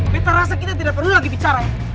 kita rasa kita tidak perlu lagi bicara ya